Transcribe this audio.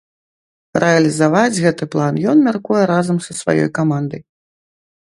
Рэалізаваць гэты план ён мяркуе разам са сваёй камандай.